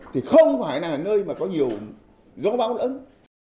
thì không phải là nơi có nhiều góng bão lớn